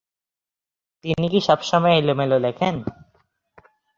তিনি কি সবসময় এলোমেলো লেখেন?